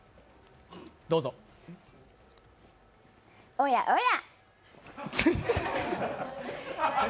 おやおや。